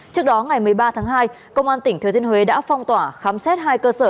trước đó ngày một mươi ba tháng hai công an tỉnh thừa thiên huế đã phong tỏa khám xét hai cơ sở